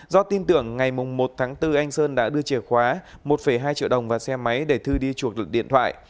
do tin tưởng ngày một tháng bốn anh sơn đã đưa chìa khóa một hai triệu đồng vào xe máy để thư đi chuộc lực điện thoại